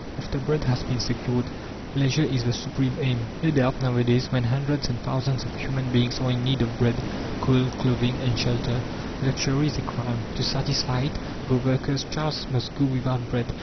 After bread has been secured, leisure is the supreme aim. No doubt, nowadays, when hundreds and thousands of human beings are in need of bread, coal, clothing, and shelter, luxury is a crime; to satisfy it, the worker's child must go without bread!